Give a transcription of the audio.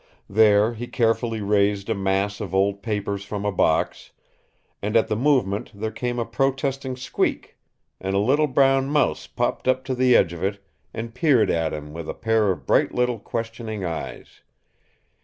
There he carefully raised a mass of old papers from a box, and at the movement there came a protesting squeak, and a little brown mouse popped up to the edge of it and peered at him with a pair of bright little questioning eyes.